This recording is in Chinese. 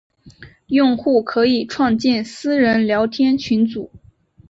用户可以创建私人聊天群组。